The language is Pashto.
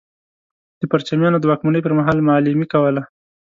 د پرچمیانو د واکمنۍ پر مهال معلمي کوله.